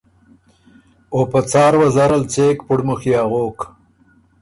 او په څار وزره ل څېک پُړمُخيې اغوک